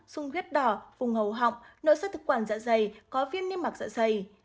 sung huyết đỏ vùng hầu họng nội sơ thực quản dạ dày có viên niêm mạc dạ dày